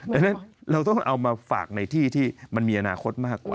ดังนั้นเราต้องเอามาฝากในที่ที่มันมีอนาคตมากกว่า